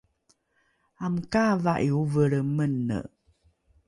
amokaava’i ovelre mene